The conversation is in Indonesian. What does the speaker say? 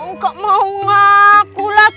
gak mau ngaku lagi